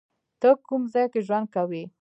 ته کوم ځای کې ژوند کوی؟